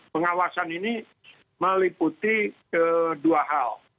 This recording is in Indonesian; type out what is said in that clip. pengawasan ini meliputi kedua hal